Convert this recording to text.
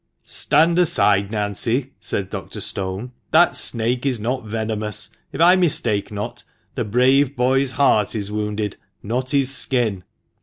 " Stand aside, Nancy," said Dr. Stone ;" that snake is not venomous. If I mistake not, the brave boy's heart is wounded, not his skin."